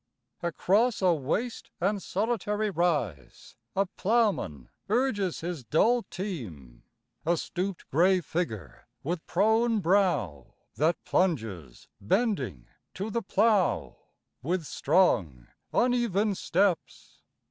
Across a waste and solitary rise A ploughman urges his dull team, A stooped gray figure with prone brow That plunges bending to the plough With strong, uneven steps.